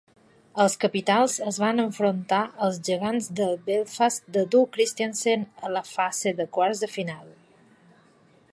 Els Capitals es van enfrontar als Gegants de Belfast de Doug Christiansen a la fase de quarts de final.